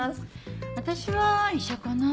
私は医者かな。